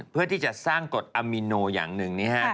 เพื่อที่จะสร้างกฎอามิโนอย่างหนึ่ง